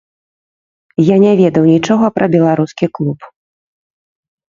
Я не ведаў нічога пра беларускі клуб.